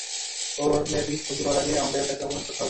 ওর মেয়েটিকে খুঁজে পাওয়ার আগেই আমাদের তাকে অপহরণ করতে হবে।